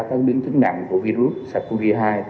các biến chứng nặng của virus sars cov hai